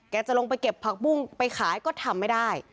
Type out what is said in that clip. จะลงไปเก็บผักบุ้งไปขายก็ทำไม่ได้